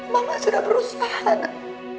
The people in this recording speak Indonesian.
mama sudah berusaha mak